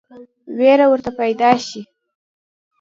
وېره ورته پیدا شي.